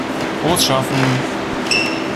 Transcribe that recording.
Frohes Schaffen!